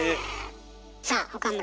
さあ岡村